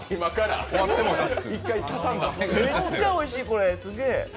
むっちゃおいしい、これすげえ！